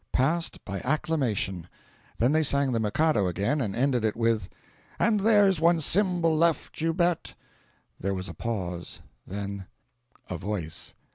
Passed, by acclamation; then they sang the "Mikado" again, and ended it with "And there's ONE Symbol left, you bet!" There was a pause; then A Voice.